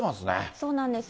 そうなんですよ。